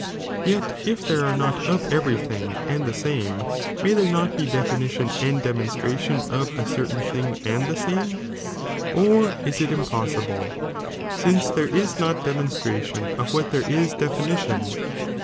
Yet if there are not of every thing and the 3, in f»ci. no. same, may there not be definition and demonstra 'J'5"fi"£Ji''* tion of a certain thing and the same ? or is it im ximiti di possible? since there is not demonstration of what ™"'"""™' there is definition.